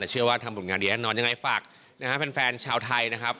แต่เชื่อว่าทำผลงานดีแน่นอนยังไงฝากนะฮะแฟนชาวไทยนะครับ